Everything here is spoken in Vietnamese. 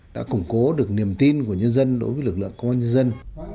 đã củng cố được niềm tin của nhân dân đối với lực lượng công an nhân dân